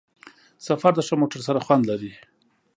سفر د ښه موټر سره خوند لري.